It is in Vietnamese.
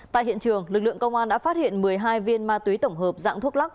tại hiện trường lực lượng công an đã phát hiện một mươi hai viên ma túy tổng hợp dạng thuốc lắc